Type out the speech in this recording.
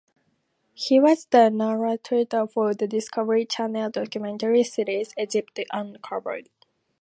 He was the narrator for the Discovery Channel documentary series "Egypt Uncovered".